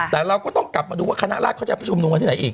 แต่เราก็ต้องกลับมาดูว่าคณะราชเขาจะไปชุมนุมกันที่ไหนอีก